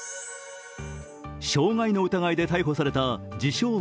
傷害の疑いで逮捕された自称